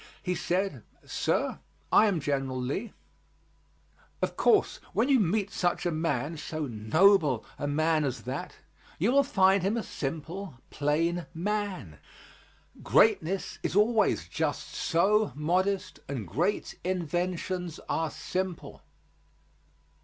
He said, "Sir, I am General Lee." Of course, when you meet such a man, so noble a man as that, you will find him a simple, plain man. Greatness is always just so modest and great inventions are simple.